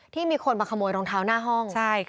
มีคนมาขโมยรองเท้าหน้าห้อง